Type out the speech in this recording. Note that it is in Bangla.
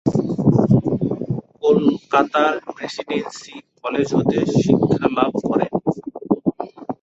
কলকাতার প্রেসিডেন্সি কলেজ হতে শিক্ষালাভ করেন।